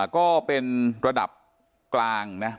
ก็เป็นระดับกลางนะ